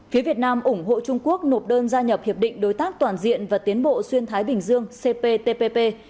phía việt nam ủng hộ trung quốc nộp đơn gia nhập hiệp định đối tác toàn diện và tiến bộ xuyên thái bình dương cptpp